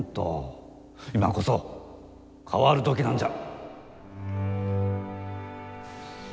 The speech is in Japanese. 今こそ変わる時なんじゃ。